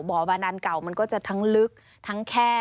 บ่อบานันเก่ามันก็จะทั้งลึกทั้งแค่